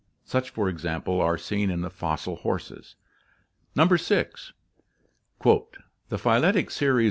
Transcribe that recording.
Such for example are seen in the fossil horses (Chapter XXXV). 6. "The phyletic series